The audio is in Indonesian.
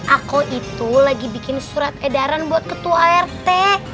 aku itu lagi bikin surat edaran buat ketua art